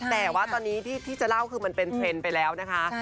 แต่ว่าตอนนี้ที่จะเล่าคือมันเป็นเทรนด์ไปแล้วนะคะ